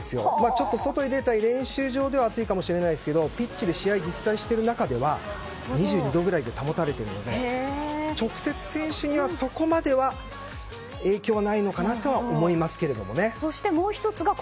ちょっと外に出たり、練習場では暑いかもしれないですがピッチで試合を実際にしている中では２２度に保たれているので直接選手にはそこまでは影響がないのかなと思います。